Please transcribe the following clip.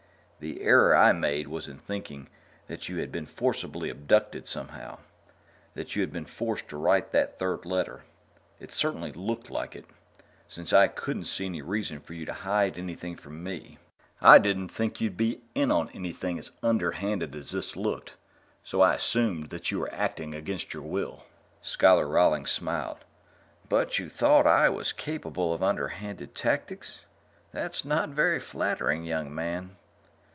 "The error I made was in thinking that you had been forcibly abducted somehow that you had been forced to write that third letter. It certainly looked like it, since I couldn't see any reason for you to hide anything from me. "I didn't think you'd be in on anything as underhanded as this looked, so I assumed that you were acting against your will." Scholar Rawlings smiled. "But you thought I was capable of underhanded tactics? That's not very flattering, young man."